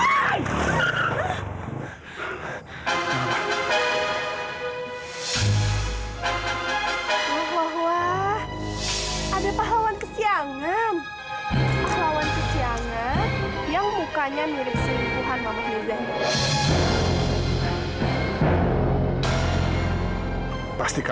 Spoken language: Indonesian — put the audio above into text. dua tahun keambil